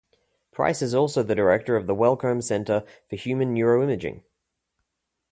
Price is also Director of the Wellcome Centre for Human Neuroimaging.